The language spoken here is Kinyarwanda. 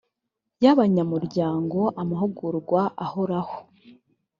y abanyamuryango amahugurwa ahoraho